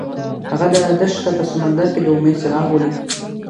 هغه د دښته په سمندر کې د امید څراغ ولید.